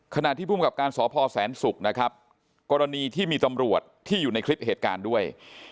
ขณะที่ภูมิกับการสพแสนศุกร์นะครับกรณีที่มีตำรวจที่อยู่ในคลิปเหตุการณ์ด้วย